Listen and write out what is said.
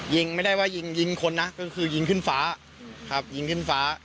ไม่ได้ว่ายิงยิงคนนะก็คือยิงขึ้นฟ้าครับยิงขึ้นฟ้า